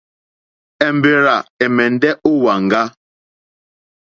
Èmbèrzà ɛ̀mɛ́ndɛ́ ó wàŋgá.